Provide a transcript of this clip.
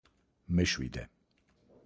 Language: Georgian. მეშვიდე.